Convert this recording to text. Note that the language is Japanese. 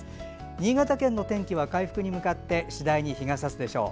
新潟県の天気は回復に向かって次第に日がさすでしょう。